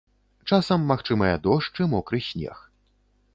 Часам магчымыя дождж і мокры снег.